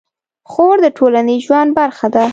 خور د ټولنیز ژوند برخه ده.